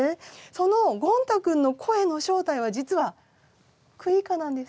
そのゴン太くんの声の正体は実はクイーカなんです。